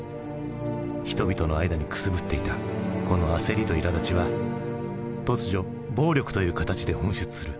人々の間にくすぶっていたこの焦りといらだちは突如暴力という形で噴出する。